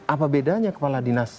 apa bedanya kepala dinas